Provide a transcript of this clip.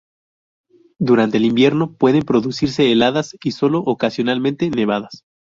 Durante el invierno pueden producirse heladas y solo ocasionalmente nevadas.